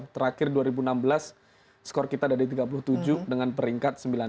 terakhir dua ribu enam belas skor kita ada di tiga puluh tujuh dengan peringkat sembilan puluh